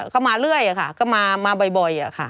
ก็มาเรื่อยค่ะก็มาบ่อยอะค่ะ